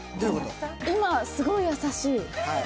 今すごい優しい。